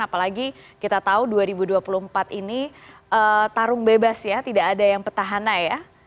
apalagi kita tahu dua ribu dua puluh empat ini tarung bebas ya tidak ada yang petahana ya